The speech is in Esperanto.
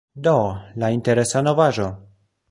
Do, la interesa novaĵo.